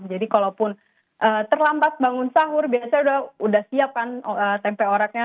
jadi kalaupun terlambat bangun sahur biasanya udah siap kan tempe oreknya